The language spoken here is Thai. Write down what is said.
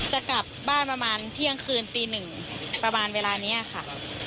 จะกลับบ้านประมาณเที่ยงคืนตีหนึ่งประมาณเวลานี้ค่ะ